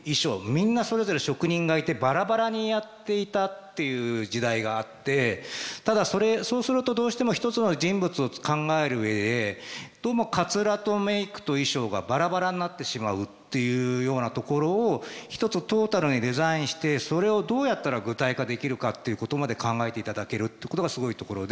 みんなそれぞれ職人がいてバラバラにやっていたっていう時代があってただそうするとどうしても一つの人物を考える上でどうもかつらとメークと衣装がバラバラになってしまうっていうようなところを一つトータルにデザインしてそれをどうやったら具体化できるかっていうことまで考えていただけるってことがすごいところで。